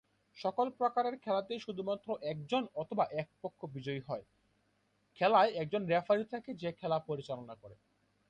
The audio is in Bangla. সকল প্রকারের খেলাতেই শুধুমাত্র একজন অথবা এক পক্ষ বিজয়ী হয়। খেলায় একজন রেফারী থাকে যে খেলা পরিচালনা করে।